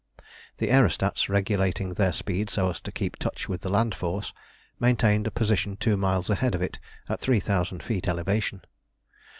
The aerostats, regulating their speed so as to keep touch with the land force, maintained a position two miles ahead of it at three thousand feet elevation.